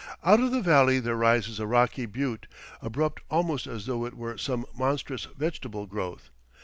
Out of the valley there rises a rocky butte, abrupt almost as though it were some monstrous vegetable growth.